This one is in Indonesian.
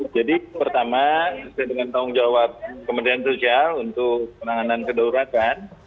jadi pertama saya dengan tanggung jawab kementerian sosial untuk penanganan kedaulatan